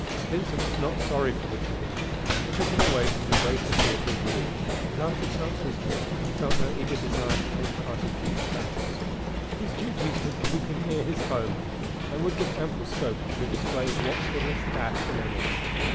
Vincent was not sorry for the change. It took him away from the great theater of the war, but after Chancellorsville he felt no eager desire to take part in future battles. His duties would keep him near his home, and would give ample scope for the display of watchfulness, dash, and energy.